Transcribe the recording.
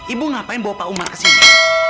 ibu ngapain bawa pak umar ke sini